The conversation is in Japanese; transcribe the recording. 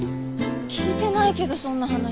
聞いてないけどそんな話。